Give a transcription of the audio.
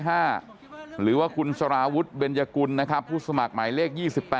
หรือว่าคุณสารวุฒิเบนยกุลนะครับผู้สมัครหมายเลข๒๘